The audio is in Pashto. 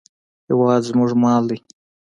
هېواد زموږ مال دی